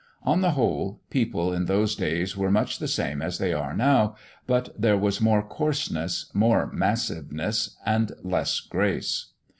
On the whole, people in those days were much the same as they are now, but there was more coarseness, more massiveness, and less grace.